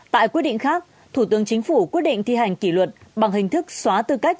tại quyết định khác thủ tướng chính phủ quyết định thi hành kỷ luật bằng hình thức xóa tư cách